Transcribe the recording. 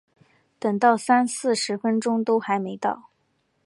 等到三十四分都还没到